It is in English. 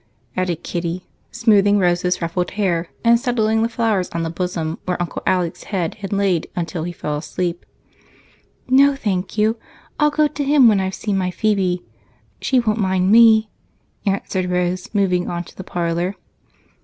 added Kitty, smoothing Rose's ruffled hair and settling the flowers on the bosom where Uncle Alec's head had lain until he fell asleep. "No, thank you, I'll go to him when I've seen my Phebe. She won't mind me," answered Rose, moving on to the parlor.